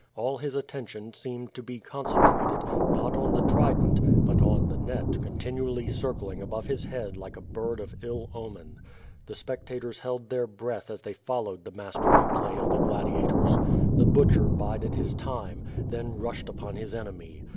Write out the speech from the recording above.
All his attention seemed to be concentrated, not on the trident, but on the net continually circling above his head like a bird of ill omen. The specta tors held their breath as they followed the masterly play of the gladiators. The Butcher bided his time, then rushed upon his enemy.